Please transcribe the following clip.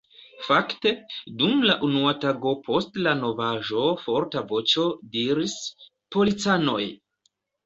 Fakte, dum la unua tago post la novaĵo forta voĉo diris: Policanoj!